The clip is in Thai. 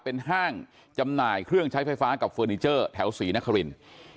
เป็นห้างจำหน่ายเครื่องใช้ไฟฟ้ากับเฟอร์นิเจอร์แถวศรีนครินทร์